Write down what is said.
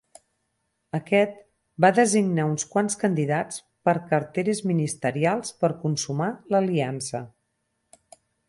Aquest va designar uns quants candidats per carteres ministerials per consumar l'aliança.